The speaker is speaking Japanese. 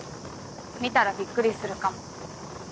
見たらびっくりするかも。